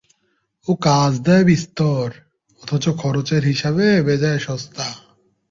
ও কাজ দেয় বিস্তর, অথচ খরচের হিসাবে বেজায় সস্তা।